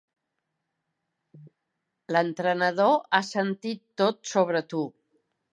L'entrenador ha sentit tot sobre tu.